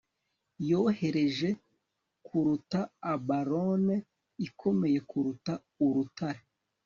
Yoroheje kuruta abalone ikomeye kuruta urutare